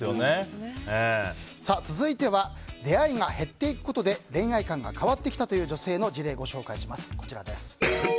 続いては出会いが減っていくことで恋愛観が変わってきたという女性の事例をご紹介します。